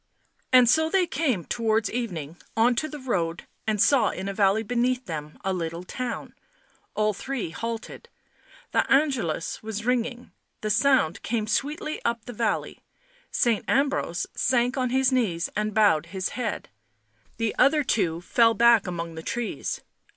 And so they came, towards evening, on to the road and saw in a valley beneath them a little town. All three halted. The Angelus was ringing, the sound came sweetly up the valley. Saint Ambrose sank on his knees and bowed his head; t 1 * fell back among the trees.